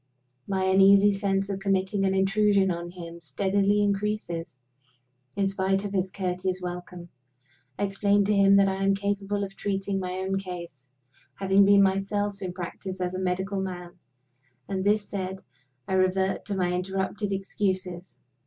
My uneasy sense of committing an intrusion on him steadily increases, in spite of his courteous welcome. I explain to him that I am capable of treating my own case, having been myself in practice as a medical man; and this said, I revert to my interrupted excuses.